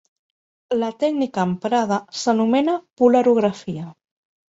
La tècnica emprada s'anomena Polarografia.